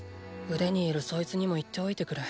腕にいるそいつにも言っておいてくれ。